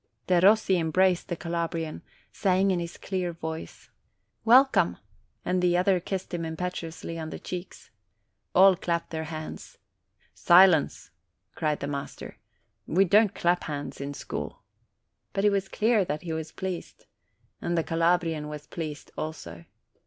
Derossi embraced the Calabrian, saying in Kis clear MY SCHOOLMATES 9 voice, "Welcome!" and the other kissed him impetu ously on the cheeks. All clapped their hands. ''Si lence!" cried the master; "we don't clap hands in school!" But it was clear that he was pleased. And the Calabrian was pleased also.